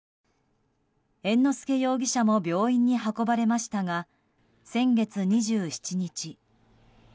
猿之助容疑者も病院に運ばれましたが先月２７日。